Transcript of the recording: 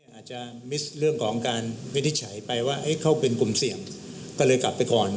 อาจจะมิสเรื่องของการวินิจฉัยไปว่าเขาเป็นกลุ่มเสี่ยงก็เลยกลับไปก่อน